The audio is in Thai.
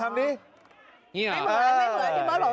ไม่เหมือน